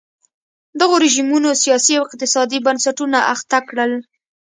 دغو رژیمونو سیاسي او اقتصادي بنسټونه اخته کړل.